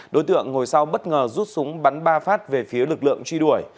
đối tượng ngồi sau bất ngờ rút súng bắn ba phát về phía lực lượng truy đuổi